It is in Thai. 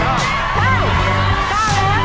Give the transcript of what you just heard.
อ่ะทิ้งมาแล้ว